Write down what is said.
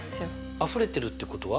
あふれてるってことは？